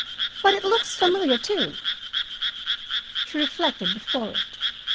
But it looks familiar, too." She reflected before it.